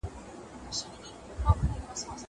زه له سهاره لوبه کوم.